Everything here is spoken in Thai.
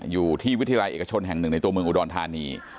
วิทยาลัยเอกชนแห่งหนึ่งในตัวเมืองอุดรธานี